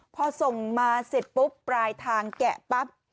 พอส่งมาเสร็จปุ๊บปลายทางแกะปั๊บ